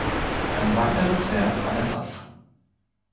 Ein weiteres Werk Vanessas.